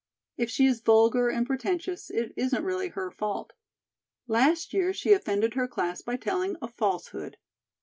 If she is vulgar and pretentious, it isn't really her fault. Last year she offended her class by telling a falsehood.